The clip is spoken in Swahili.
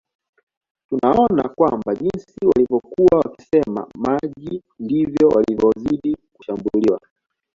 Tunaona kwamba jinsi walivyokuwa wakisema maji ndivyo walivyozidi kushambuliwa